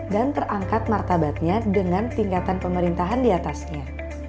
terangkat martabatnya dengan tingkatan pemerintahan diatasnya